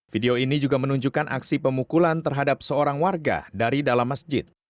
video ini juga menunjukkan aksi pemukulan terhadap seorang warga dari dalam masjid